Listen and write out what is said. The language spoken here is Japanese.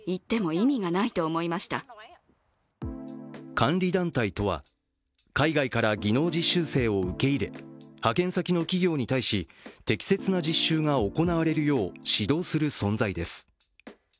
監理団体とは、海外から技能実習生を受け入れ、派遣先の企業に対し適切な実習が行われるよう指導する存在です。